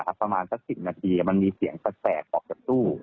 ประมาณสัก๑๐นาทีมันมีเสียงแสกออกจากตู้